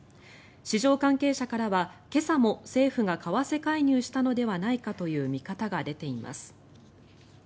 市場関係者からは今朝も政府が為替介入したのではないかという見方が出ています。